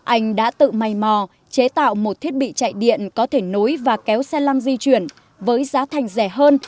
anh đã tự mày mò chế tạo một thiết bị chạy điện có thể nối và kéo xe lăn di chuyển với giá thành rẻ hơn